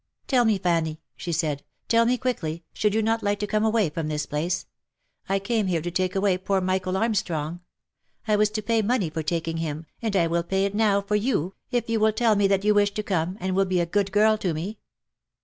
" Tell me, Fanny," she said, " tell me quickly, should you not like to come away from this place ? I came here to take away poor Michael Armstrong. I was to pay money for taking him, and I will pay it now for you, if you will tell me that you wish to come, and will be a good girl to me."